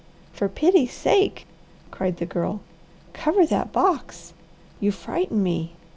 "For pity sake!" cried the Girl. "Cover that box! You frighten me.